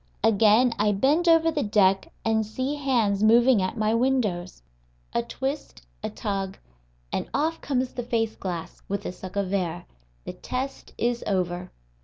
Again I bend over the deck, and see hands moving at my windows. A twist, a tug, and off comes the face glass, with a suck of air. The test is over.